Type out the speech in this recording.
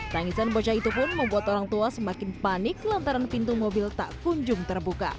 tangisan bocah itu pun membuat orang tua semakin panik lantaran pintu mobil tak kunjung terbuka